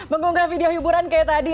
mengunggah video hiburan kayak tadi